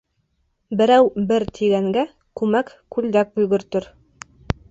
Берәү «бер» тигәнгә, күмәк күлдәк өлгөртөр.